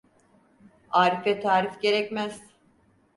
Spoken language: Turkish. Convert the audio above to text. Arife tarif gerekmez.